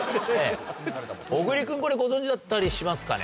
小栗君これご存じだったりしますかね？